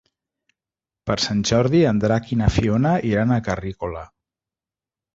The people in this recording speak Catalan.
Per Sant Jordi en Drac i na Fiona iran a Carrícola.